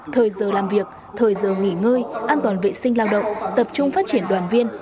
thời giờ làm việc thời giờ nghỉ ngơi an toàn vệ sinh lao động tập trung phát triển đoàn viên